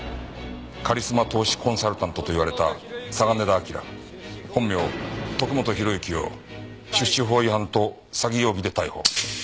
カリスマ投資コンサルタントといわれた嵯峨根田輝本名徳本弘之を出資法違反と詐欺容疑で逮捕。